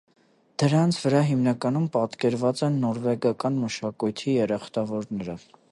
Դրանց վրա հիմնականում պատկերված են նորվեգական մշակույթի երախտավորները։